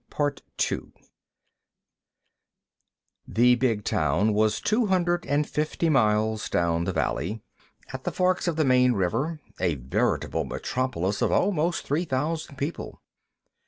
The big town was two hundred and fifty miles down the valley, at the forks of the main river, a veritable metropolis of almost three thousand people.